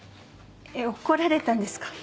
えっ怒られたんですか？